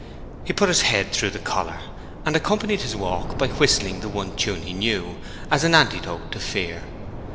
He put his head through the collar, and accompanied his walk by whistling the one tune he knew, as an antidote to fear.